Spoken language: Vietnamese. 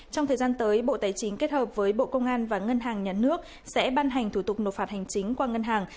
trong thời gian tới bộ tài chính kết hợp với bộ công an và ngân hàng nhà nước sẽ ban hành thủ tục nộp phạt hành chính qua ngân hàng